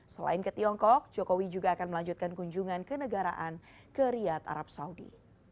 selain ke tiongkok jokowi juga akan melanjutkan kunjungan ke negaraan ke riyad arab saudi